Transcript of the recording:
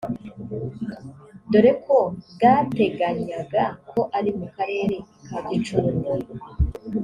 dore ko bwateganyaga ko ari mu Karere ka Gicumbi